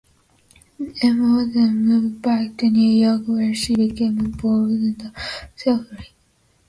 Emma then moved back to New York, where she became involved in theosophy.